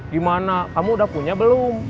gimana kamu udah punya belum